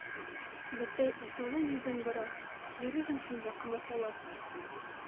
Бесәй асыулы «йөҙөн» бора: «Йөрөйһөң шунда, ҡамасаулап!»